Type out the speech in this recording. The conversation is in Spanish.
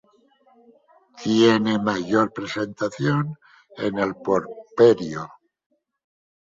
Tiene mayor presentación en el puerperio.